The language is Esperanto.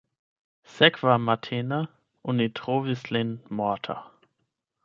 Sekvamatene oni trovis lin morta.